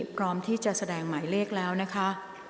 พร้อมที่จะแสดงหมายเลขแล้วนะคะ